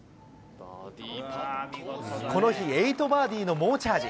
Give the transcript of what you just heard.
この日、８バーディーの猛チャージ。